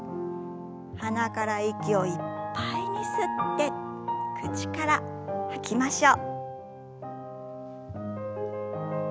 鼻から息をいっぱいに吸って口から吐きましょう。